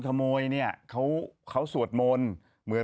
หลายคนขโมยหรอ